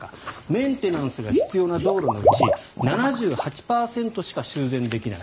メンテナンスが必要な道路のうち７８％しか修繕できない。